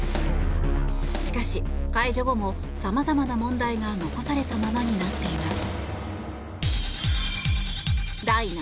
しかし解除後も様々な問題が残されたままになっています。